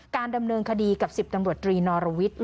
การดำเนินคดีกับ๑๐ตำรวจตรีนอรวิทย์